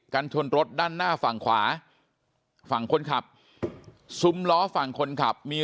ชนรถด้านหน้าฝั่งขวาฝั่งคนขับซุ้มล้อฝั่งคนขับมี